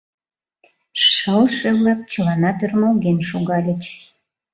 Шылше-влак чыланат ӧрмалген шогальыч.